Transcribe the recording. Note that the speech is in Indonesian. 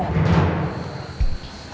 aku bukan nyari nino